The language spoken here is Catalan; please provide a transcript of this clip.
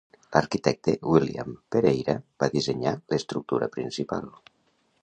L'arquitecte William Pereira va dissenyar l'estructura principal.